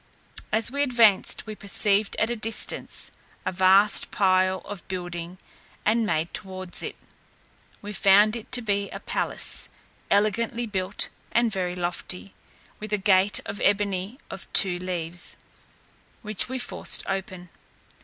As we advanced, we perceived at a distance a vast pile of building, and made towards it. We found it to be a palace, elegantly built, and very lofty, with a gate of ebony of two leaves, which we forced open.